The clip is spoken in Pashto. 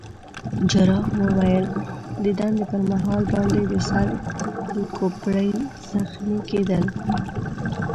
جراح وویل: د دندې پر مهال باندي د سر د کوپړۍ زخمي کېدل.